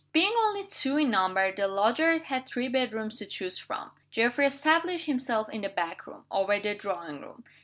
Being only two in number, the lodgers had three bedrooms to choose from. Geoffrey established himself in the back room, over the drawing room.